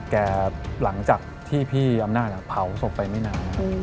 หลังจากที่พี่อำนาจเผาศพไปไม่นาน